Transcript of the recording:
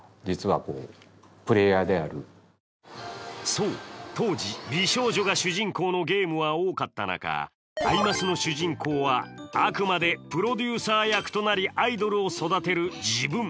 そう、当時美少女が主人公のゲームが多かった中、「アイマス」の主人公はあくまでプロデューサー役となりアイドルは自分。